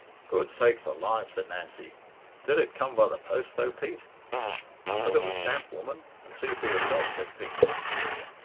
"Good sakes alive!" said Nancy. "Did it come by the post, though, Pete?" "Look at the stamp, woman, and see for yourself," said Pete.